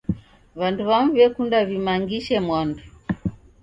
W'andu w'amu w'ekunda w'imangishe mwandu.